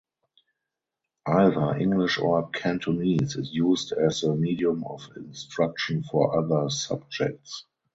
Either English or Cantonese is used as the medium of instruction for other subjects.